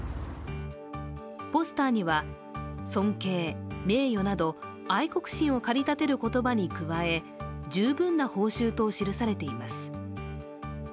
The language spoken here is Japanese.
ポスターには、尊敬、名誉など愛国心を駆り立てる言葉に加え十分な報酬と記されています。